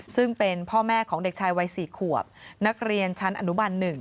ซึ่งเป็นพ่อแม่ของเด็กชายวัย๔ขวบนักเรียนชั้นอนุบัน๑